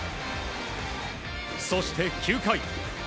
そして、９回。